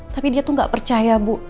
tapi dia tuh gak percaya bu